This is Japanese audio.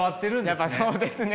やっぱそうですね。